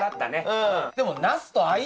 うん。